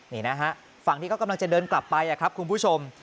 นี่นะฮะฝั่งที่เขากำลังจะเดินกลับไปครับคุณผู้ชม